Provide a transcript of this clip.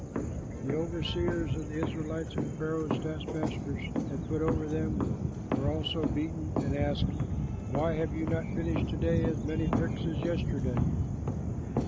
The overseers of the Israelites, whom Pharaoh's taskmasters had put over them, were also beaten and asked, "Why have you not finished to day as many bricks as yesterday?"